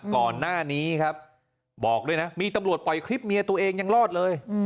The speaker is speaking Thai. ก่อนหน้านี้ครับบอกด้วยนะมีตำรวจปล่อยคลิปเมียตัวเองยังรอดเลย